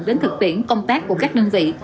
đến thực tiễn công tác của các nhân vị